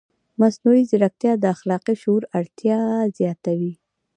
مصنوعي ځیرکتیا د اخلاقي شعور اړتیا زیاتوي.